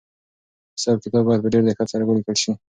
حساب کتاب باید په ډېر دقت سره ولیکل شي.